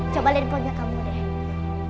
coba liat depannya kamu deh